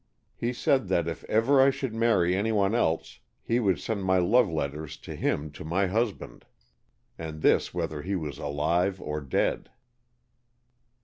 He said that if ever I should marry anyone else, he would send my love letters to him to my husband, and this whether he was alive or dead."